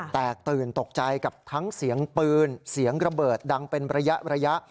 แตกตื่นตกใจกับทั้งเสียงปืนเสียงระเบิดดังเป็นระยะ